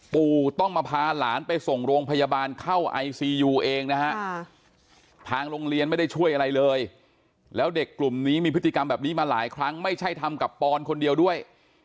ปู่ต้องมาพาหลานไปส่งโรงพยาบาลเข้าไอซียูเองนะฮะทางโรงเรียนไม่ได้ช่วยอะไรเลยแล้วเด็กกลุ่มนี้มีพฤติกรรมแบบนี้มาหลายครั้งไม่ใช่ทำกับปอนคนเดียวด้วย